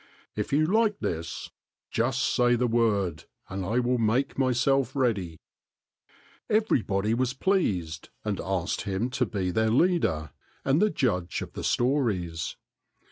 If you like this, just say the word, and I will make myself ready." Everybody was pleased and asked him to be their leader and the judge of the stories.